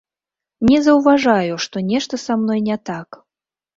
Не заўважаю, што нешта са мной не так.